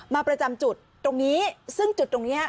ประจำจุดตรงนี้ซึ่งจุดตรงนี้